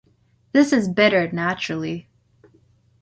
This is bitter naturally.